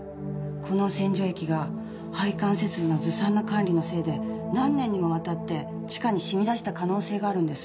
この洗浄液が配管設備のずさんな管理のせいで何年にもわたって地下に染み出した可能性があるんです。